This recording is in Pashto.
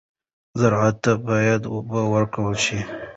زراعت ته باید اوبه ورکړل شي.